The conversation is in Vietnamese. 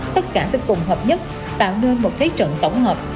tất cả phải cùng hợp nhất tạo nên một thế trận tổng hợp